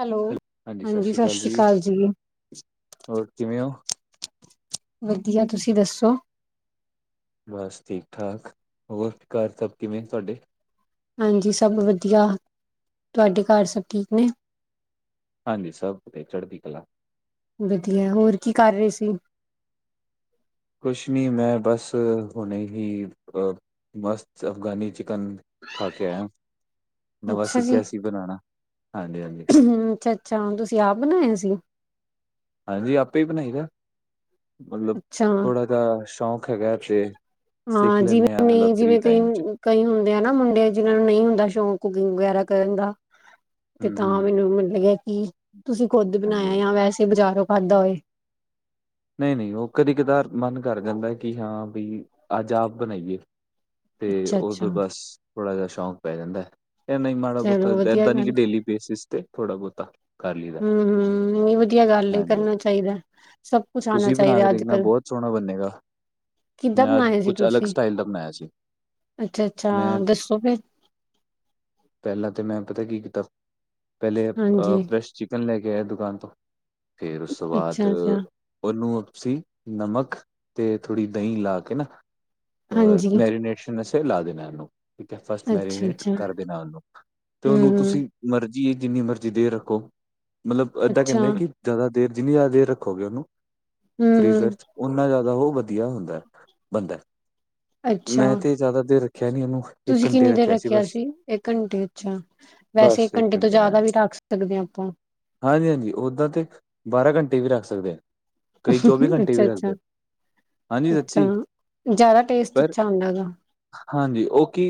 Hello, ਹਾਂਜੀ ਸਸ ਸ਼੍ਰੀਕਾਲ ਜੀ। ਹੋਰ ਕਿਵੇਂ ਓ? ਵਧੀਆ, ਤੁਸੀ ਦੱਸੋ? ਬਸ ਠੀਕ ਠਾਕ। ਹੋਰ ਘਰ ਸਭ ਕਿਵੇਂ ਤੋਆਡੇ? ਹਾਂਜੀ ਸਭ ਵਧੀਆ। ਤੁਆਡੇ ਘਰ ਸਭ ਠੀਕ ਨੇ? ਹਾਂਜੀ ਸਭ ਤੇ ਚੜ੍ਹਦੀ ਕਲਾ। ਵਧਿਐ। ਹੋਰ ਕੀ ਕਰ ਰੇ ਸੀ? ਕੁੱਛ ਨੀ ਮੈਂ ਬਸ ਹੁਣੇ ਹੀ ਅ ਮਸਤ ਅਫਗਾਨੀ ਚਿਕਨ ਖਾ ਕੇ ਆਇਆ, ਨਵਾਂ ਅੱਛਾ ਜੀ ਸਿੱਖਿਆ ਸੀ ਬਨਾਣਾ ਹਾਂਜੀ-ਹਾਂਜੀ। ਚਾਂਪ ਤੁਸੀਂ ਆਪ ਬਣਾਯਾ ਸੀ? ਹਾਂਜੀ ਆਪੇ ਈ ਬਣਾਈ ਦੈ, ਮਤਲਬ ਅੱਛਾ ਥੋੜਾ ਜਾ ਸ਼ੌਂਕ ਹੈਗਾ ਤੇ ਸਿੱਖ ਹਾਂ ਲੈਂਣੇ ਆ, ਜਿਵੇਂ ਮਤਲਬ ਨਹੀਂ ਫ੍ਰਰੀ ਜਿਵੇਂ ਕਈ ਟਾਈਮ ਚ। ਕਈ ਹੁੰਦੇ ਆ ਨਾ ਮੁੰਡੇ ਜਿਨਾਂ ਨੂੰ ਨਈ ਹੁੰਦਾ ਸ਼ੌਕ ਕੁਕਿੰਗ ਵਗੈਰਾ ਕਰਨ ਦਾ। ਤੇ ਹਮ ਤਾਂ ਹਮ ਮੈਨੂੰ ਮਲ ਲਗਿਆ ਕਿ ਤੁਸੀਂ ਖੁੱਦ ਹਾਂਜੀ ਬਣਾਇਆ ਹਾਂਜੀ। ਜਾਂ ਵੈਸੇ ਬਜ਼ਾਰੋਂ ਖਾਧਾ ਹੋਏ। ਨਈ-ਨਈ ਓ ਕਦੀ ਕਦਾਰ ਮਨ ਕਰ ਜਾਂਦਾ ਕਿ ਹਾਂ ਬਈ ਅੱਜ ਆਪ ਬਣਾਈਏ। ਤੇ ਅੱਛਾ ਅੱਛਾ ਓਦੋ ਬਸ ਥੋੜਾ ਜਿਆ ਸ਼ੌਕ ਪੈ ਜਾਂਦੈ। ਐ ਨਈ ਮਾੜਾ ਬੋਤਾ ਚਲੋ ਵਧੀਆ ਐਦਾ ਨਈ ਕਿ ਗੱਲ ਡੇਲੀ ਬੇਸਿਸ ਤੇ ਥੋੜਾ ਬੋਤ। ਹਮ-ਹਮ ਨੀ ਵਧੀਆ ਗੱਲ ਏ, ਹਾਂਜੀ। ਕਰਨਾ ਚਾਈਦੈ। ਸਭ ਕੁੱਛ ਆਣਾ ਤੁਸੀਂ ਬਣਾ ਕੇ ਚਾਈਦੈ ਦੇਖਣਾ ਅੱਜ-ਕੱਲ। ਬਹੁਤ ਸੋਹਣਾ ਬਣੇਗਾ ਕਿਦਾਂ ਮੈਂ ਅੱਜ ਬਣਾਇਆ ਸੀ ਕੁਛ ਅਲੱਗ ਤੁਸੀ? ਸਟਾਈਲ ਦਾ ਬਣਾਇਆ ਸੀ। ਅੱਛਾ-ਅੱਛਾ ਦੱਸੋ ਫੇਰ! ਪਹਿਲਾ ਤੇ ਮੈਂ ਪਤਾ ਕੀ ਕੀਤਾ, ਪੈਹਿਲੇ ਅ ਹਾਂਜੀ ਪ੍ਰੈਸ਼ ਚਿਕਨ ਲੈ ਕੇ ਆਇਆ ਦੁਕਾਨ ਤੋਂ, ਫੇਰ ਉਸ ਤੋ ਬਾਦ ਅੱਛਾ-ਅੱਛਾ ਉਹਨੂੰ ਅਸੀ ਨਮਕ ਤੇ ਥੋੜ੍ਹੀ ਦਹੀ ਲਾ ਕੇ ਨਾ ਅ ਹਾਂਜੀ। ਮੈਰੀਨੇਟ ਸ਼ਨ ਅਸੇ ਲਾ ਦੇਣਾ ਉਹਨੂੰ ਠੀਕ ਐ। ਫਸਟ ਮੈਰੀਨੇਟ ਅੱਛਾ-ਅੱਛਾ ਕਰ ਦੇਣਾ ਉਹਨੂੰ ਤੇ ਉਹਨੂੰ ਹੂੰ-ਹੂੰ ਤੁਸੀ ਮਰਜ਼ੀ ਏ ਜਿੰਨੀ ਮਰਜ਼ੀ ਦੇਰ ਰੱਖੋ, ਮਤਲਬ ਏਦਾ ਅੱਛਾ ਕੈਂਦੇ ਕਿ ਜਾਦਾ ਦੇਰ ਜਿੰਨੀ ਜਾਦਾ ਦੇਰ ਰੱਖੋਗੇ ਉਹਨੂੰ ਫਰੀਜ਼ਰ ਹੂੰ-ਹੂੰ ਚ, ਓਨਾ ਜਾਦਾ ਓ ਵਧੀਆ ਹੁੰਦੈ ਬੰਨਦੈ ਮੈਂ ਤੇ ਜਾਦਾ ਦੇਰ ਰੱਖਿਆ ਨੀ ਏਹਨੂੰ ਤੁਸੀ ਕਿੰਨੀ ਦੇਰ ਰੱਖਿਆ ਸੀ? ਏਕ ਘੰਟੇ ਅੱਛਾ। ਵੈਸੇ ਬਸ ਇੱਕ ਘੰਟੇ ਤੋਂ ਜ਼ਿਆਦਾ ਹਾਂਜੀ ਵੀ ਰੱਖ ਸਕਦੇ ਹਾਂ ਆਪਾਂ। ਹਾਂਜੀ- ਹਾਂਜੀ ਓਦਾਂ ਤੇ ਬਾਰਾਂ ਘੰਟੇ ਵੀ ਰੱਖ ਸਕਦੇ ਹਾਂ। ਅੱਛਾ- ਅੱਛਾ ਹਾਂਜੀ -ਅੱਛਾ ਸੱਚੀ ਜ਼ਿਆਦਾ ਟੇਸਟ ਪਰ ਅੱਛਾ ਆਉਂਦਾ ਗਾ। ਹਾਂਜੀ, ਉਹ ਕੀ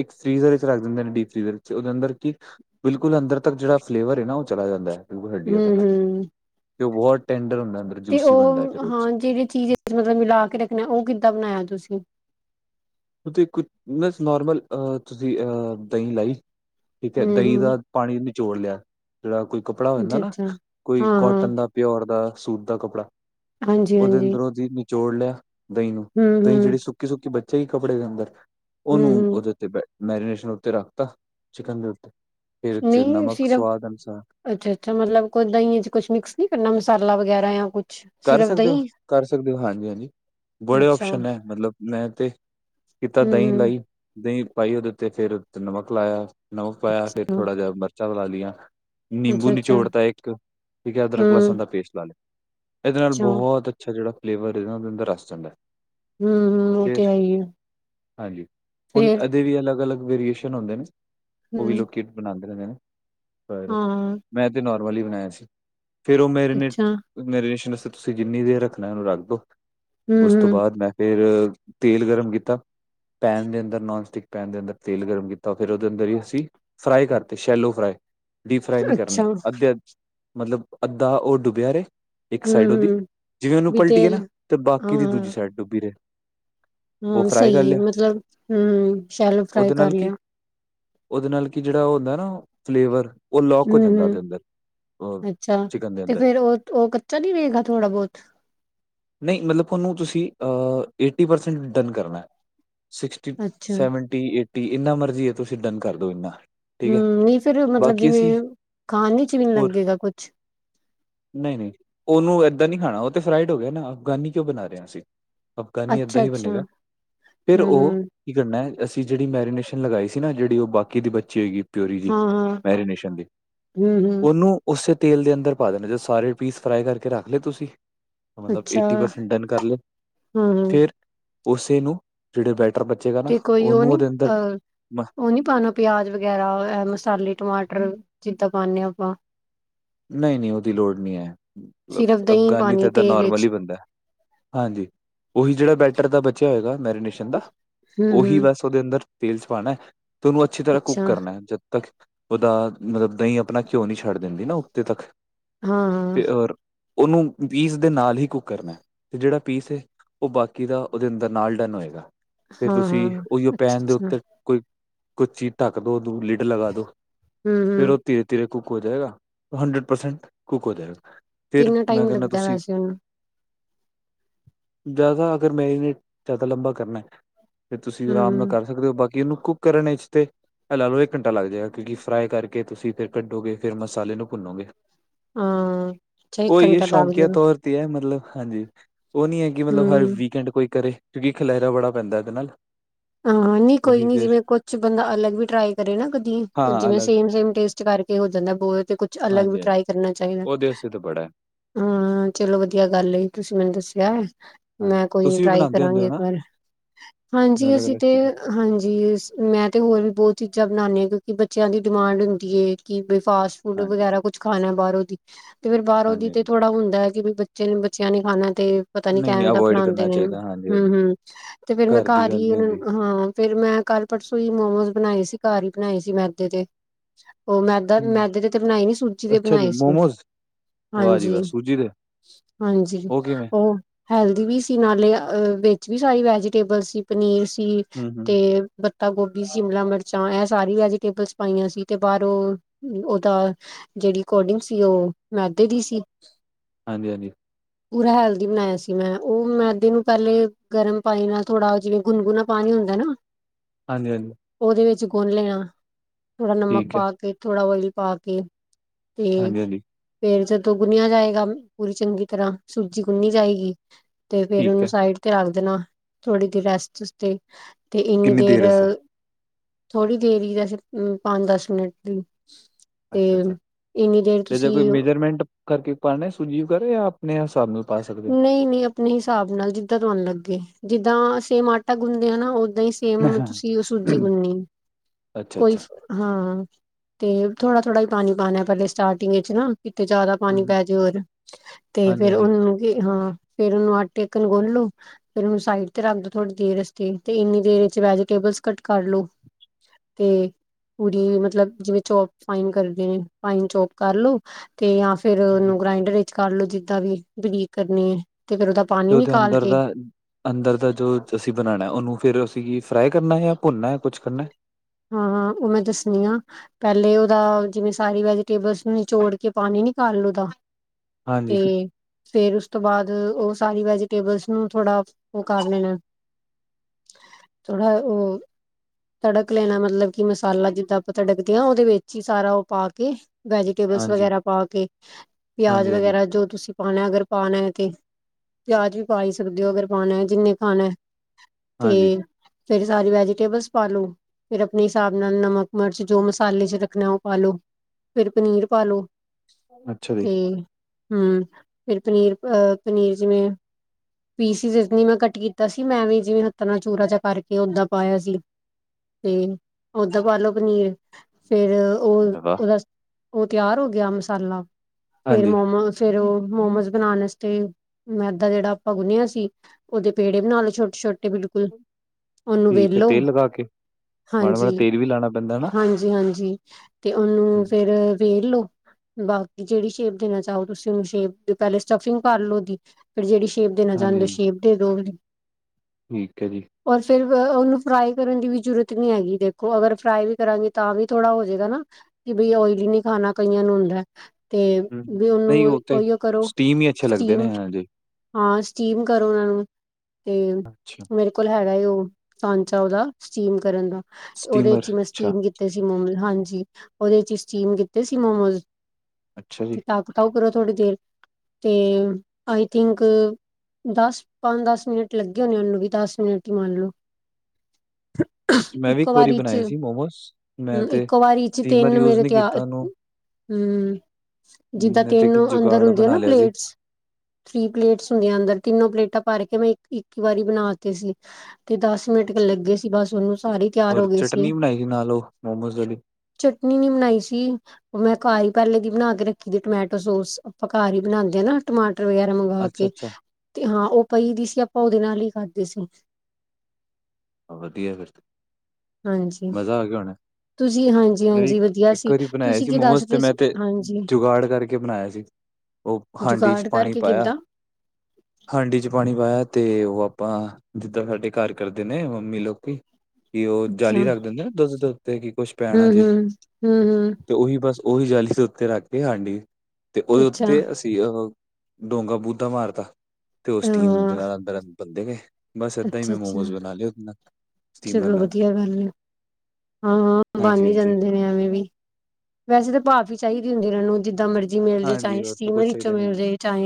ਇੱਕ ਫਰੀਜ਼ਰ ਵਿੱਚ ਰੱਖ ਦਿੰਦੇ ਨੇ ਡੀਪ ਫੀਜ਼ਰ ਵਿੱਚ ਉਹਦੇ ਅੰਦਰ ਕੀ ਬਿਲਕੁਲ ਅੰਦਰ ਤੱਕ ਜਿਹੜਾ ਫਲੇਵਰ ਏ ਨਾ ਉਹ ਚਲਾ ਜਾਂਦੈ। ਹੱਡੀਆਂ ਤੱਕ ਹੂੰ-ਹੂੰ ਤੇ ਉਹ ਬਹੁਤ ਟੈਂਡਰ ਹੁੰਦੈ। ਤੇ ਉਹ ਹਾਂ ਜਿਹੜੀ ਚੀਜ਼ ਮਤਲਬ ਮਿਲਾ ਕੇ ਰੱਖਣਾ ਉਹ ਕਿੱਦਾਂ ਬਣਾਇਆ ਤੁਸੀਂ? ਉਹ ਕੁ ਮ ਨੋਰਮਲ ਤੁਸੀਂ ਅ ਦਹੀਂ ਲਾਈ ਠੀਕ ਹੈ ਦਹੀਂ ਹੂੰ-ਹੂੰ ਦਾ ਪਾਣੀ ਨਚੋੜ ਲਿਆ, ਜਿਹੜਾ ਕੋਈ ਕੱਪੜਾ ਹੋ ਜਾਂਦਾ ਨਾ ਅੱਛਾ-ਅੱਛਾ ਕੋਈ ਹਾਂ-ਹਾਂ ਕੋਟਨ ਦਾ ਪਿਓਰ ਦਾ, ਸੂਤ ਦਾ ਕੱਪੜਾ, ਉਹਦੇ ਹਾਂਜੀ-ਹਾਂਜੀ ਅੰਦਰੋ ਜੀ ਨਿਚੋੜ ਲਿਆ ਦਹੀਂ ਨੂੰ ਦਹੀਂ ਹੂੰ-ਹੂੰ, ਜਿਹੜੀ ਸੁੱਕੀ- ਸੁੱਕੀ ਬੱਚੇ ਸੀ ਕੱਪੜੇ ਦੇ ਅੰਦਰ, ਉਹਨੂੰ ਹੂੰ-ਹੂੰ ਉਹਦੇ ਉੱਤੇ ਬਹਿ ਮੈਰੀਨੇਸ਼ਨ ਉੱਤੇ ਰੱਖਤਾ, ਚਿਕਨ ਦੇ ਉੱਤੇ ਫਿਰ ਚ ਨਹੀਂ ਨਮਕ ਸੀਰਮ ਸਵਾਦ ਅਨੁਸਾਰ ਅੱਛਾ- ਅੱਛਾ ਮਤਲਬ ਕੋਈ ਦਹੀਂਏ 'ਚ ਕੁਛ ਮਿਕਸ ਨੀ ਕਰਨਾ, ਮਸਾਲਾ ਵਗੈਰਾ ਜਾਂ ਕੁਛ ਕਰ ਸਿਰਫ ਸਕਦੇ ਹੋ, ਦਹੀਂ ਕਰ ਸਕਦੇ ਹੋ ਹਾਂਜੀ -ਹਾਂਜੀ ਬੜੇ ਅੱਛਾ ਉਪਸ਼ਨ ਐ, ਮਤਲਬ ਮੈਂ ਤੇ ਕੀਤਾ ਦਹੀਂ ਹੂੰ-ਹੂੰ, ਲਈ, ਦਹੀਂ ਪਾਈ ਉਹਦੇ ਤੇ ਫਿਰ ਨਮਕ ਲਾਇਆ, ਨਮਕ ਪਾਇਆ ਫੇਰ ਹੂੰ ਥੋੜਾ ਜਿਹਾ ਮਿਰਚਾਂ ਲਗਾ ਲਈਆਂ, ਨਿੰਬੂ ਅੱਛਾ-ਅੱਛਾ ਨਿਚੋੜਤਾ ਇੱਕ, ਠੀਕ ਹੈ ਅਦਰਕ ਲਸਣ ਹੂੰ ਦਾ ਪੇਸਟ ਲਾ ਲਿਆ ਐਹਦੇ ਨਾਲ ਅੱਛਾ ਬਹੁਤ ਅੱਛਾ ਜੇੜਾ ਫਲੇਵਰ ਹੈ, ਉਹਦੇ ਅੰਦਰ ਰੱਸ ਜਾਂਦਾ ਐ ਹਮ- ਹਮ ਉਹ ਤੇ ਹੈ ਹੀ ਐ ਹਾਂਜੀ ਹੁਣ ਐਹਦੇ ਵੀ ਅਲੱਗ- ਅਲੱਗ ਵੇਰੀਏਸ਼ਨ ਹੁੰਦੇ ਨੇ ਉਹ ਵੀ ਹੂੰ ਲੋਕੀ ਬਣਾਉਂਦੇ ਰੈਂਦੇ ਨੇ, ਪਰ ਹਾਂ ਮੈਂ ਤੇ ਨੋਰਮਲ ਹੀ ਬਣਾਇਆ ਸੀ ਫਿਰ ਉਹ ਮੈਰੀਨੇਟ ਅੱਛਾ ਨਰੇਸਨ ਵਾਸਤੇ ਤੁਸੀਂ ਜਿੰਨੀ ਦੇਰ ਰੱਖਣਾ, ਉਹਨੂੰ ਰੱਖ ਦੋ ਉਸ ਤੋਂ ਹੂੰ-ਹੂੰ ਬਾਅਦ ਮੈਂ ਫੇਰ ਤੇਲ ਗਰਮ ਕੀਤਾ ਪੈਨ ਦੇ ਅੰਦਰ, ਨੋਨ ਸਟਿਕ ਪੈਨ ਦੇ ਅੰਦਰ, ਤੇਲ ਗਰਮ ਕੀਤਾ ਫਿਰ ਉਹਦੇ ਅੰਦਰ ਹੀ ਸੀਂ ਫਰਾਈ ਕਰਤੇ, ਸ਼ੈਲੋ ਫਰਾਏ ਡੀਪ ਫਰਾਈ ਨਹੀਂ ਅੱਛਾ ਕਰਨੀ, ਅੱਧੇ, ਮਤਲਬ ਅੱਧਾ ਉਹ ਡੁੱਬਿਆ ਰਹੇ ਇੱਕ ਸਾਈਡ ਉਹਦੀ, ਹੂੰ-ਹੂੰ ਜਿਵੇਂ ਉਹਨੂੰ ਵੀ ਪਲਟੀਏ ਤੇਲ ਨਾ, ਤੇ ਬਾਕੀ ਦੀ ਦੂਜੀ ਸਾਈਡ ਡੁੱਬੀ ਰਹੇ ਉਹ ਹਮ, ਫਰਾਈ ਕਰ ਸਹੀ ਏ ਲਿਆ ਮਤਲਬ ਹਮ ਸ਼ੈਲੋ ਫਰਾਈ ਉਹਦੇ ਕਰ ਨਾਲ ਕੀ ਲਿਆ ਉਹਦੇ ਨਾਲ ਕੀ ਜੇੜਾ ਉਹ ਹੁੰਦਾ ਨਾ, ਫਲੇਵਰ ਉਹ ਲੋਕ ਹੋ ਹਮ- ਜਾਂਦਾ ਹਮ, ਉਹਦੇ ਅੰਦਰ ਅੱਛਾ ਚਿਕਨ ਦੇ ਤੇ ਅੰਦਰ ਫੇਰ ਉਹ, ਉਹ ਕੱਚਾ ਨੀ ਰੇਗਾ ਥੋੜਾ ਬਹੁਤ ਨਹੀਂ ਮਤਲਬ ਉਹਨੂੰ ਤੁਸੀਂ, ਅ ਏਟੀ ਪਰਸੈਂਟ ਡਨ ਕਰਨਾ, ਸਿਕਸਟੀ ਅੱਛਾ ਸੈਵਨ ਏਟੀ, ਏਟੀ ਇੰਨਾ ਮਰਜ਼ੀ ਤੁਸੀਂ ਡਨ ਕਰਦੋ ਇੰਨਾ ਠੀਕ ਹੈ ਹਮ ਨਹੀਂ ਫੇਰ ਮਤਲਬ ਬਾਕੀ ਜਿਵੇਂ, ਅਸੀਂ ਖਾਣ 'ਚ ਵੀ ਨੀ ਹੋਰ ਲੱਗੇਗਾ ਕੁਛ ਨਹੀਂ- ਨਹੀਂ, ਉਹਨੂੰ ਐਦਾਂ ਨੀ ਖਾਣਾ ਉਹ ਤੇ ਫਰਾਈਡ ਹੋ ਗਏ ਨਾ, ਅਫਗਾਨੀ ਕਿਉਂ ਬਣਾ ਰਹੇ ਹਾਂ ਅਸੀਂ ਅਫਗਾਨੀ ਐਦਾਂ ਹੀ ਅੱਛਾ-ਅੱਛਾ, ਬਣੇਗਾ, ਫੇਰ ਉਹ ਹੂੰ-ਹੂੰ, ਕੀ ਕਰਨਾ ਅਸੀਂ ਜੇੜੀ ਮੈਰੀਨੇਸ਼ਨ ਲਗਾਈ ਸੀ ਨਾ ਜੇੜੀ ਉਹ ਬਾਕੀ ਦੀ ਬੱਚੀ ਹੋਏਗੀ ਪਿਓਰੀ ਦੀ, ਹਾਂ-ਹਾਂ, ਮੈਰੀਨੇਸ਼ਨ ਦੀ, ਹੂੰ-ਹੂੰ, ਉਹਨੂੰ ਉਸੇ ਤੇਲ ਦੇ ਅੰਦਰ ਪਾ ਦੇਣਾ ਜੋ ਸਾਰੇ ਪੀਸ ਫਰਾਈ ਕਰਕੇ ਰੱਖ ਲਏ ਤੁਸੀਂ, ਮਤਲਬ ਅੱਛਾ, ਏਟੀ ਪਰਸੈਂਟ ਡਨ ਕਰ ਲਏ, ਹੂੰ-ਹੂੰ। ਫੇਰ ਉਸੇ ਨੂੰ, ਜਿਹੜੇ ਬੈਟਰ ਬੱਚੇਗਾ ਨਾ ਤੇ ਕੋਈ ਉਹ ਉਹਨੂੰ ਨੀ ਉਹਦੇ ਅੰਦਰ, ਅ ਮ ਉਹ ਨੀ ਪਾਣਾ ਪਿਆਜ ਵਗੈਰਾ, ਅ ਮਸਾਲੇ ਟਮਾਟਰ, ਜਿੱਦਾਂ ਪਾਉਦੇ ਆਂ ਆਪਾਂ ਨਹੀਂ- ਨਹੀਂ ਉਹਦੀ ਲੋੜ ਨਹੀਂ ਹੈ, ਮਤਲਬ ਸਿਰਫ ਦਹੀਂ ਅਫਗਾਨੀ ਪਾਣੀ ਏ ਤਾਂ ਦਾਂ ਤੇਲ ਨੋਰਮਲ ਵਿੱਚ ਹੀ ਬਣਦਾ ਹਾਂਜੀ ਉਹੀ ਜੇੜਾ ਬੈਟਰ ਦਾ ਬਚਿਆ ਹੋਏਗਾ ਮੈਰੀਨੇਸ਼ਨ ਦਾ, ਉਹੀ ਹੂੰ-ਹੂੰ, ਬਸ ਉਹਦੇ ਅੰਦਰ ਤੇਲਸ ਪਾਣਾ, ਤੇ ਉਹਨੂੰ ਅੱਛੀ ਤਰ੍ਹਾਂ ਕੁੱਕ ਅੱਛਾ, ਕਰਨਾ ਜਦ ਤਕ, ਉਹਦਾ ਮਤਲਬ ਦਹੀਂ ਆਪਣਾ ਘਿਓ ਨਹੀਂ ਛੱਡ ਦਿੰਦੀ ਨਾ ਉੱਤੇੇ ਤੱਕ ਹਾਂ-ਹਾਂ, ਤੇ ਔਰ ਉਹਨੂੰ ਪੀਸ ਦੇ ਨਾਲ ਹੀ ਕੁੱਕ ਕਰਨਾ, ਤੇ ਜੇੜਾ ਪੀਸ ਏ ਉਹ ਬਾਕੀ ਦਾ ਉਹਦੇ ਅੰਦਰ ਨਾਲ ਡਨ ਹੋਏਗਾ, ਫੇਰ ਤੁਸੀਂ ਹਾਂ-ਹਾਂ। ਉਹੀਓ ਪੈਨ ਦੇ ਅੱਛਾ-ਅੱਛਾ, ਉੱਤੇ ਕੋਈ ਕੁਛ ਚੀਜ਼ ਢੱਕ ਦੋ, ਦੂੰ ਲਿਡ ਲਗਾ ਦੋ, ਫੇਰ ਹੂੰ-ਹੂੰ, ਉਹ ਧੀਰੇ ਧੀਰੇ ਕੁੱਕ ਹੋ ਜਾਏਗਾ ਹੰਡਰਡ ਪਰਸੈਂਟ ਕੁਕ ਹੋ ਜਾਏਗਾ, ਫੇਰ ਕਿੰਨਾ ਮੈਂ ਟਾਈਮ ਕਹਿੰਦਾ ਲੱਗਦਾ ਤੁਸੀਂ ਵੈਸੇ ਉਹਨੂੰ ਜ਼ਾਦਾ ਅਗਰ ਮੈਰੀਨੇਟ ਜ਼ਾਦਾ ਲੰਬਾ ਕਰਨਾ, ਤੇ ਤੁਸੀਂ ਆਰਾਮ ਨਾਲ ਹੂੰ-ਹੂੰ, ਕਰ ਸਕਦੇ ਹੋ ਬਾਕੀ ਇਹਨੂੰ ਕੁ ਕੁਕ ਕਰਨ ਵਿੱਚ ਤੇ, ਲਾ ਲਓ ਇੱਕ ਘੰਟਾ ਲੱਗ ਜਾਏਗਾ, ਕਿਉਂਕਿ ਫਰਾਈ ਕਰਕੇ ਤੁਸੀਂ ਫਿਰ ਕੱਢੋਗੇ ਫੇਰ ਮਸਾਲੇ ਨੂੰ ਭੁੰਨੋਗੇ, ਹਾਂ। ਅੱਛਾ, ਇੱਕ ਉਹੀਏ ਘੰਟਾ ਲੱਗ ਸ਼ੌਂਕੀਆਂ ਜੇਗਾ, ਤੌਰ ਤੇ ਹੈ ਮਤਲਬ ਹਾਂਜੀ, ਉਹ ਨੀ ਹੈ ਕਿ ਮਤਲਬ ਹਰ ਹੂੰ। ਵੀਕਐਂਡ ਕੋਈ ਕਰੇ ਕਿਉਂਕਿ ਖਿਲੈਰਾ ਬੜਾ ਪੈਂਦਾ ਐਹਦੇ ਨਾਲ ਹਾਂ ਨਹੀਂ ਕੋਈ ਉਹੀ ਨੀ ਫਿਰ ਜਿਵੇਂ ਕੁਛ ਬੰਦਾ ਅਲੱਗ ਵੀ ਟਰਾਈ ਕਰੇ ਨਾ ਕਦੀ, ਹਾਂ ਜਿਵੇਂ ਅਲੱਗ ਸੇਮ -ਸੇਮ ਟੇਸਟ ਕਰਕੇ ਹੋ ਜਾਂਦਾ ਬੋਹ ਤੇ ਕੁਛ ਅਲੱਗ ਵੀ ਹਾਂਜੀ ਹਾਂਜੀ ਟਰਾਈ ਕਰਨਾ ਚਾਈਦਾ। ਉਹਦੇ ਵਾਸਤੇ ਤਾਂ ਬੜਾ ਹੈ। ਹਂ, ਚਲੋ ਵਧੀਆ ਗੱਲ ਏ ਤੁਸੀਂ ਮੈਨੂੰ ਦੱਸਿਆ ਐ। ਹਾਂ ਮੈਂ ਕੋਈ ਨੀਂ ਤੁਸੀਂ ਵੀ ਟਰਾਈ ਬਣਾਉਂਦੇ ਹੁੰਦੇ ਕਰਾਂਗੀ ਹੋ ਇੱਕ ਨਾ ਬਾਰ ਹਾਂਜੀ ਅ ਅਲੱਗ ਅਲੱਗ ਚੀਜ਼ਾਂ ਹਾਂਜੀ, ਸ ਮੈਂ ਤੇ ਹੋਰ ਵੀ ਬੋਤ ਚੀਜ਼ਾਂ ਬਣਾਣੀ ਆਂ ਕਿਉਂਕਿ ਬੱਚਿਆਂ ਦੀ ਡਿਮਾਂਡ ਹੁੰਦੀ ਐ ਕਿ ਬਈ ਫਾਸਟ ਫੂਡ ਹਾਂਜੀ ਵਗੈਰਾ ਕੁਛ ਖਾਣਾ ਬਾਰੋਂ ਦੀ ਤੇ ਫਿਰ ਬਾਰੋਂ ਹਾਂਜੀ ਦੀ ਤੇ ਹਾਂਜੀ। ਥੋੜਾ ਹੁੰਦਾ ਐ ਕਿ ਬਚ ਫਿਰ ਬੱਚਿਆਂ ਨੇ ਖਾਣਾ ਤੇ ਪਤਾ ਨੀਂ ਨਹੀਂ ਨਹੀਂ ਕੈਵੇਂ ਦਾ ਅਵੋਇਡ ਬਣਾਂਦੇ ਕਰਨਾ ਨੇ। ਚਾਹੀਦਾ ਹਾਂਜੀ ਹਂ, ਹਾਂਜੀ ਹਂ ਤੇ ਫੇਰ ਮੈਂ ਦੀ ਘਰ ਗੱਲ ਈ ਨੀ ਹੁੰਦੀ। ਹਾਂ, ਫੇਰ ਮੈਂ ਕੱਲ ਪਰਸੂ ਈ ਮੋਮੋਸ ਬਣਾਏ ਸੀ, ਘਰ ਈ ਬਣਾਏ ਸੀ ਮੈਦੇ ਦੇ। ਓ ਮੈਦਾ ਹੂੰ ਮੈਦੇ ਦੇ ਤੇ ਬਣਾਏ ਨੀਂ, ਸੂਜੀ ਦੇ ਅੱਛਾ ਜੀ ਬਣਾਏ ਸੀ। ਮੋਮੋਸ ਵਾਹ ਜੀ ਹਾਂਜੀ। ਵਾਹ ਸੂਜੀ ਦੇ ਹਾਂਜੀ। ਉਹ ਕਿਵੇਂ ਓ ਹੈਲਦੀ ਵੀ ਸੀ ਨਾਲੇ, ਅ ਵਿੱਚ ਵੀ ਸਾਰੀ ਵੈਜੀਟੇਬਲ ਸੀ, ਪਨੀਰ ਸੀ ਹੂੰ ਹੂੰ ਤੇ ਪੱਤਾ ਗੋਭੀ, ਸ਼ਿਮਲਾ ਮਿਰਚਾਂ ਇਹ ਸਾਰੀ ਵੈਜੀਟੇਬਲਸ ਪਾਈਆਂ ਸੀ ਤੇ ਬਾਰੋਂ ਓ ਓਦਾ ਜੇੜੀ ਕੋਡਿੰਗ ਸੀ ਓ, ਮੈਦੇ ਦੀ ਸੀ। ਹਾਂਜੀ, ਹਾਂਜੀ। ਪੂਰਾ ਹੈਲਦੀ ਬਣਾਇਆ ਸੀ ਮੈਂ, ਓ ਮੈਦੇ ਨੂੰ ਪੈਲੇ ਗਰਮ ਪਾਣੀ ਨਾਲ ਥੋੜਾ ਜਿਵੇਂ ਗੁਨਗੁਣਾ ਪਾਣੀ ਹੁੰਦਾ ਨਾਂ ਹਾਂਜੀ ਹਾਂਜੀ। ਓਦੇ ਵਿੱਚ ਗੁੰਨ ਲੈਣਾ, ਥੋੜਾ ਨਮਕ ਠੀਕ ਹੈ ਪਾ ਕੇ, ਥੋੜਾ ਓਇਲ ਪਾ ਕੇ। ਤੇ ਹਾਂਜੀ ਹਾਂਜੀ ਪੇੜ ਜਦੋਂ ਗੁਣਿਆ ਜਾਏਗਾ। ਪੂਰੀ ਚੰਗੀ ਤਰ੍ਹਾਂ ਸੂਜੀ ਗੁਨ੍ਹੀ ਜਾਏਗੀ। ਤੇ ਫੇਰ ਠੀਕ ਓਨੂੰ ਹੈ ਸਾਈਡ ਤੇ ਰੱਖ ਦੇਣਾ, ਥੋੜੀ ਦੀ ਰੈਸਟਸ ਤੇ। ਤੇ ਇੰਨੀ ਕਿੰਨੀ ਦੇਰ ਵਾਸਤੇ ਥੋੜ੍ਹੀ ਦੇਰ ਈ ਵੈਸੇ ਪੰਜ ਦਸ ਮਿੰਟ ਦੀ ਤੇ ਅੱਛਾ ਅੱਛਾ ਏਨੀਂ ਦੇਰ ਤੇ ਜੇ ਤੁਸੀਂ ਕੋਈ ਮੇਜਰਮੈਂਟ ਕਰਕੇ ਪੜ੍ਹਨਾ ਸਜੀਵ ਕਰੇ ਜਾਂ ਆਪਣੇ ਹਿਸਾਬ ਨਾਲ। ਪਾ ਸਕਦੇ ਨਈਂ ਨਈਂ, ਅਪ ਆਪਣੇ ਹਿਸਾਬ ਨਾਲ ਜਿੱਦਾਂ ਤੁਹਾਨੂੰ ਲੱਗੇ। ਜਿੱਦਾਂ ਅ ਸੇਮ ਆਟਾ ਗੁੰਣਦੇ ਆ ਨਾਂ ਓਦਾਂ ਈ ਸ ਸੇਮ ਹਾਂ? ਤੁਸੀਂ ਓ ਸੂਜੀ ਗੁੰਨੀ। ਅੱਛਾ ਕੋਈ ਅੱਛਾ ਹਾਂ ਤੇ ਥੋੜਾ-ਥੋੜ੍ਹਾ ਈ ਪਾਣੀ ਪਾਣਾ ਪੈਲੇ ਸਟਾਰਟਿੰਗ ਇੱਚ ਨਾਂ। ਕਿਤੇ ਜਿਆਦਾ ਪਾਣੀ ਹਾਂਜੀ ਪੈ ਜੇ ਹੋਰ ਤੇ ਫੇਰ ਹਾਂਜੀ ਹਂ, ਫਿਰ ਹਾਂ ਫੇਰ ਓਨੂੰ ਆੱਟੇਕ ਨੂੰ ਗੁੰਣ ਲੋ। ਫਿਰ ਓਨੂੰ ਸਾਈਡ ਤੇ ਰੱਖ ਦੋ ਥੋੜੀ ਦੇਰ ਅਸਤੇ ਤੇ ਇੰਨੀੇ ਦੇਰ ਵਿੱਚ ਵੈਜੀਟੇਬਲ ਕਟ ਕਰ ਲੋੋ। ਤੇ ਪੂਰੀ ਮਤਲਬ ਜਿਵੇਂ ਚੋਪ, ਫਾਈਨ ਕਰਦੇ। ਫਾਈਨ ਚੋਪ ਕਰ ਲੋ ਤੇ ਫੇਰ ਹਾਂਜੀ ਓਨੂੰ ਗ੍ਰਾਇੰਡਰ ਵਿੱਚ ਕਰ ਲੋ ਜਿੱਦਾਂ ਵੀ, ਬਰੀਕ ਕਰਨੀ ਐ ਤੇ ਫੇਰ ਓਦਾ ਤੇ ਓਦੇ ਅੰਦਰ ਦਾ ਅੰਦਰ ਦਾ ਜੋ ਜਅਸੀਂ ਬਣਾਣਾ, ਓਨੂੰ ਫਿਰ ਅਸੀਂ ਫਰਾਈ ਕਰਨਾ ਜਾਂ ਭੁੰਨਨਾ ਐ? ਕੁਛ ਕਰਨਾ। ਹਾਂ, ਹਾਂ। ਓ ਮੈਂ ਦੱਸਣੀ ਆਂ। ਪੈਲੇ ਓਦਾ ਜਿਵੇਂ ਸਾਰੀ ਵੈਜੀਟੇਬਲਸ ਨਿਚੋੜ ਕੇ ਪਾਣੀ ਨੀਕਾਲ ਲੋ ਓਦਾ। ਤੇ ਹਾਂਜੀ ਫੇਰ ਉਸ ਤੋਂ ਬਾਅਦ ਓ ਸਾਰੀ ਵੈਜੀਟੇਬਲਸ ਨੂੰ ਥੋੜਾ ਓ ਕਰ ਲੈਣਾ ਥੋੜਾ ਓ ਤੱਕ ਲੈਣਾ ਮਤਲਬ ਕਿ ਮਸਾਲਾ ਜਿੱਦਾਂ ਆਪਾਂ ਤੜਕਦੇ ਆਂ ਓਦੇ ਵਿੱਚ ਈ ਸਾਰਾ ਓ ਪਾ ਕੇ। ਵੈਜੀਟੇਬਲਸ ਹਾਂਜੀ ਵਗੈਰਾ ਪਾ ਕੇ, ਪਿਆਜ ਹਾਂਜੀ ਹਾਂਜੀ ਵਗੈਰਾ ਜੋ ਤੁਸੀਂ ਪਾਣਾ ਅਗਰ ਪਾਣਾ ਏ ਤੇ, ਪਿਆਜ ਵੀ ਪਾ ਈ ਸਕਦੇ ਓ ਅਗਰ ਪਾਣਾ। ਜਿੰਨੇ ਖਾਣਾ ਐ। ਤੇ ਹਾਂਜੀ ਫਿਰ ਸਾਰੀ ਵੈਜੀਟੇਬਲਸ ਪਾ ਲਉ ਫਿਰ ਆਪਣੇ ਹਿਸਾਬ ਨਾਲ ਨਮਕ, ਮਿਰਚ ਜੋ ਮਸਾਲੇ ਚ ਰੱਖਣਾ ਉਹ ਪਾ ਲੋ ਫਿਰ ਪਨੀਰ ਪਾ ਲੋ। ਅੱਛਾ ਜੀ ਤੇ ਹੂੰ ਫਿਰ ਪਨੀਰ ਅ ਪਨੀਰ ਜਿਵੇਂ ਪੀਸਿਸ ਇਤਨੀ ਮੈਂ ਕੱਟ ਕੀਤਾ ਸੀ ਮੈਂ ਵੀ ਜਿਵੇਂ ਹੱਥਾਂ ਨਾਲ ਚੂਰਾ ਜਿਆ ਕਰਕੇ ਓਦਾਂ ਪਾਇਆ ਸੀ। ਤੇ ਓਦਾ ਪਾਲੋੋ ਪਨੀਰ ਫੇਰ ਉਹ ਵਾਹ ਉਹਦਾ ਉਹ ਤਿਆਰ ਹੋ ਗਿਆ ਮਸਾਲਾ ਫੇਰ ਹਾਂਜੀ ਮੋਮੋਜ਼ ਫੇਰ ਉਹ ਮੋਮੋਜ਼ ਬਣਾਉਣ ਵਾਸਤੇ ਮੈਦਾ ਜਿਹੜਾ ਆਪਾਂ ਗੁੰਨਿਆ ਸੀ ਉਹਦੇ ਪੇੜੇ ਬਣਾ ਲੋ ਛੋਟੇ ਛੋਟੇ ਬਿਲਕੁਲ ਉਨੂੰ ਠੀਕ ਹੈ ਵੇਲੋ ਤੇਲ ਲਗਾ ਕੇ ਮਾੜਾ ਹਾਂਜੀ ਮਾੜਾ ਤੇਲ ਵੀ ਲਾਉਣਾ ਪੈਂਦਾ ਨਾ ਹਾਂਜੀ ਹਾਂਜੀ ਤੇ ਉਹਨੂੰ ਫੇਿ ਰ ਵੇਲ ਲਓ ਬਾਕੀ ਜਿਹੜੀ ਸ਼ੇਪ ਦੇਣਾ ਚਾਹੋ ਤੁਸੀਂ ਉਹਨੂੰ ਸ਼ੇਪ ਦੇ ਪਹਿਲੇ ਸਟਫਿੰਗ ਕਰ ਲਓ ਉਦੀ। ਫਿਰ ਜਿਹੜੀ ਸ਼ੇਪ ਦੇਣਾ ਚਾਹਦੇ ਹਾਂਜੀ ਹੋ ਹਾਂਜੀ ਸ਼ੇਪ ਦੇ ਦੋ ਉਹ ਵਾਲੀ ਠੀਕ ਹੈ ਜੀ। ਔਰ ਫੇਰ ਉਹਨੂੰ ਫਰਾਈ ਕਰਨ ਦੀ ਵੀ ਜ਼ਰੂਰਤ ਨੀ ਹੈਗੀ ਦੇਖੋ ਅਗਰ ਫਰਾਈ ਵੀ ਕਰਾਂਗੇ ਤਾਂ ਵੀ ਥੋੜਾ ਹੋ ਜਾਏਗਾ ਨਾ ਕਿ ਬਈ ਓਇਲੀ ਨੀ ਖਾਣਾ ਕਈਆਂ ਨੂੰ ਹੁੰਦਾ। ਤੇ ਹੂੰ, ਵੀ ਉਹਨੂੰ ਨਹੀਂ ਉਹ ਤੇ ਓਹੀਓ ਕਰੋ ਸਟੀਮ ਹੀ ਅੱਛੇ ਲੱਗਦੇ ਨੇ ਸਟੀਮ‌। ਹਾਂਜੀ, ਹਾਂ ਸਟੀਮ ਕਰੋ ਉਹਨਾਂ ਨੂੰ ਅੱਛਾ ਤੇ ਮੇਰੇ ਕੋਲ ਹੈਗਾ ਉਹ ਸਾਂਚਾ ਉਹਦਾ ਸਟੀਮ ਕਰਨ ਦਾ ਤੇ ਉਹਦੇ ਸਟੀਮਰ ਹੀ ਮੈਂ ਅੱਛਾ, ਸਟੀਮ ਤੇ ਸੀ ਮੋਮੋਜ਼ ਹਾਂਜੀ ਉਹਦੇ ਚ ਸਟੀਮ ਕੀਤੇ ਸੀ ਮੋਮੋਜ਼ ਅੱਛਾ ਜੀ ਤਾਂ ਫਿਰ ਤੇ ਉਹ ਕਰੋ ਥੋੜੀ ਦੇਰ ਤੇ ਆਈ ਥਿੰਕ ਦਸ ਪੰਜ ਦਸ ਮਿੰਟ ਲੱਗੇ ਹੋਣੇ ਉਹਨ ਨੂੰ ਵੀ ਦਸ ਮਿੰਟ ਹੀ ਮੰਨ ਲਓ। ਮੈਂ ਵੀ ਇੱਕੋ ਇੱਕ ਵਾਰੀ ਚ ਬਣਾਏ ਸੀ ਮੋਮੋਸ ਮੈਂ ਤੇ ਇੱਕੋ ਵਾਰੀ ਚ ਸਟੀਮਰ ਤਿੰਨ ਯੂਜ ਮੇਰੇ ਨਹੀਂ ਤਿਆਰ ਕੀਤਾ ਉਹਨੂੰ ਹੂੰ ਜਿੱਦਾਂ ਮੈਂ ਤੇ ਤਿੰਨ ਕੀ ਅੰਦਰ ਜੁਗਾੜ ਹੁੰਦੀਆਂ ਬਣਾ ਨਾ ਲਿਆ ਸੀ। ਪਲੇਟਸ ਥ੍ਰਰੀ ਪਲੇਟਸ ਹੁੰਦੀਆਂ ਅੰਦਰ ਤਿੰਨੋ ਪਲੇਟਾਂ ਭਰ ਕੇ ਮੈਂ ਇੱਕ ਇਕ ਈ ਵਾਰੀ ਬਣਾ ਤੀ ਸੀ ਤੇ ਦੱਸ ਮਿੰਟ ਲੱਗੇ ਸੀ ਬਸ ਉਹਨੂੰ ਸਾਰੇ ਤਿਆਰ ਹੋ ਔਰ ਗਏ ਸੀ। ਚਟਨੀ ਬਣਾਈ ਨਾਲ ਉਹ ਮੋਮੋਸ ਵਾਲੀ ਚਟਨੀ ਨੀ ਬਣਾਈ ਸੀ ਉਹ ਮੈਂ ਘਰ ਪਹਿਲੇ ਦੀ ਬਣਾ ਕੇ ਰੱਖੀ ਦੀ ਟਮੈਟੋ ਸੋਸ ਆਪਾਂ ਘਰ ਹੀ ਬਣਾਉਂਦੇ ਆ ਨਾ। ਟਮਾਟਰ ਵਗੈਰਾ ਮੰਗਵਾ ਕੇ ਅੱਛਾ-ਅੱਛਾ ਤੇ ਹਾਂ ਉਹ ਪਈ ਦੀ ਸੀ ਆਪਾਂ ਉਹਦੇ ਨਾਲ ਹੀ ਖਾਧੇ ਸੀ। ਵਧੀਆ ਫਿਰ ਹਾਂਜੀ ਮਜ਼ਾ ਆ ਗਿਆ ਹੋਣਾ। ਤੁਸੀਂ ਹਾਂਜੀ ਨਹੀਂ ਹਾਂਜੀ ਵਧੀਆ ਇੱਕ ਸੀ ਵਾਰੀ ਬਣਾਇਆ ਤੁਸੀਂ ਸੀ ਕੀ ਦੱਸ ਮੋਮੋਸ ਤੇ ਰਹੇ ਮੈਂ ਸੀ ਤੇ ਹਾਂਜੀ ਜੁਗਾੜ ਕਰਕੇ ਬਣਾਇਆ ਸੀ। ਉਹ ਹਾਂਡੀ ਚ ਜੁਗਾੜ ਪਾਣੀ ਕਰਕੇ ਪਾਇਆ ਕਿੱਦਾਂ ਹਾਂਡੀ ਚ ਪਾਣੀ ਪਾਇਆ ਤੇ ਉਹ ਆਪਾਂ ਜਿੱਦਾਂ ਸਾਡੇ ਘਰ ਕਰਦੇ ਨੇ ਮੰਮੀ ਲੋਕੀ ਕਿ ਉਹ ਜਾਲੀ ਅੱਛਾ ਰੱਖ ਦਿੰਦੇ ਦੁੱਧ ਦੇ ਉੱਤੇ ਕਿ ਕੁੱਛ ਪੈਣਾ ਹਮ ਜੇ ਹਮ ਹਮ ਹਮ ਤੇ ਉਹੀ ਬਸ ਉਹੀ ਜਾਲੀ ਦੇ ਉੱਤੇ ਰੱਖਕੇ ਹਾਂਡੀ ਤੇ ਉਹਦੇ ਅੱਛਾ ਉੱਤੇ ਅਸੀਂ ਦੀ ਉਹ ਡੋਂਗਾ ਮੂਦਾ ਮਾਰਤਾ ਤੇ ਉਸ ਟੀਮ ਦੇ ਹਾਂ ਨਾਲ ਅੰਦਰ ਬੰਦੇ ਗਏ। ਬਸ ਏਧਾਂ ਹੀ ਅੱਛਾ ਮੈਂ ਅੱਛਾ ਮੋਮੋਜ਼ ਚਲੋ ਵਧੀਆ ਗੱਲ ਹੈ ਹਾਂ ਬਣ ਹਾਂਜੀ ਹੀ ਹਾਂਜੀ ਜਾਂਦੇ ਨੇ। ਐਵੇਂ ਵੀ ਵੈਸੇ ਤਾਂ ਭਾਪ ਹੀ ਚਾਹੀਦੀ ਹੁੰਦੀ ਇਹਨਾਂ ਨੂੰ ਜਿੱਦਾਂ ਮਰਜ਼ੀ ਜੀ ਮਿਲ ਜੇ ਚਾਹੇ ਹਾਂਜੀ ਹੋਰ ਤਾਂ ਸਟੀਮਰ ਕੁਛ ਵਿੱਚੋਂ ਚਾਹੀਦਾ ਨੀ ਮਿਲ ਹੁੰਦਾ ਜੇ ਚਾਹੇ